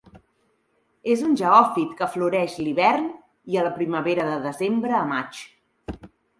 És un geòfit que floreix l'hivern i a la primavera de desembre al maig.